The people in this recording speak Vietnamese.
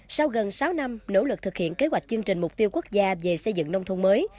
sau gần sáu năm nỗ lực thực hiện kế hoạch chương trình mục tiêu quốc gia về xây dựng nông thôn mới